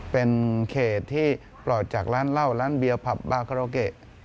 เป็นเขตที่ปล่อยจากร้านเหล้าร้านเบียร์ผับบาคาราโอเกะ